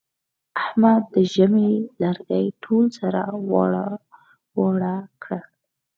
احمد د ژمي لرګي ټول سره واړه واړه کړل.